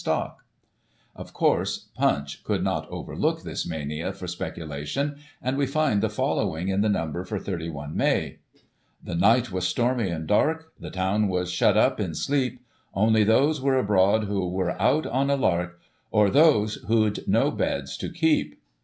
[1845 Of course, Punch could not overlook this mania for specula tion, and we find the following in the number for 3 1 May :*' The night was stormy and dark. The town was shut up in sleep ; Only those were abroad who were out on a lark» Or those, who'd no beds to keep.